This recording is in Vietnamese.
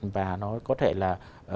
và nó có thể là